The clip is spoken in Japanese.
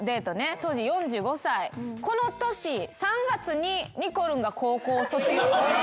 当時４５歳この年３月ににこるんが高校卒業。